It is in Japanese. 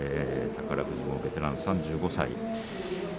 宝富士もベテラン３５歳。